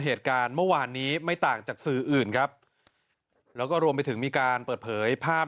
เหตุการณ์เมื่อวานนี้ไม่ต่างจากสื่ออื่นครับแล้วก็รวมไปถึงมีการเปิดเผยภาพ